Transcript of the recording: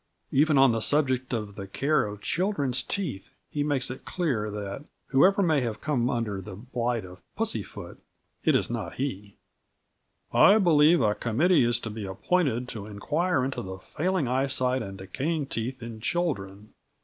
Even on the subject of the care of children's teeth he makes it clear that, whoever may have come under the blight of Pussyfoot, it is not he: "I believe a Committee is to be appointed to inquire into the failing eyesight and decaying teeth in children.